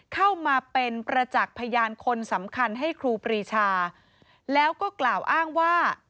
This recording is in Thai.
เข้ามาเป็นประจักษ์พยานคนสำคัญให้ครูปรีชาแล้วก็กล่าวอ้างว่า